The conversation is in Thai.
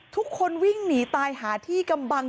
ทุกคนวิ่งหนีตายหาที่กำบัง